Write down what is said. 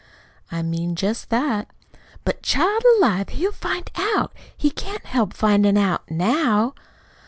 "I mean just that." "But, child alive, he'll find out he can't help finding out now."